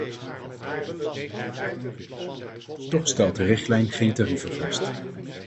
Toch stelt de richtlijn geen tarieven vast.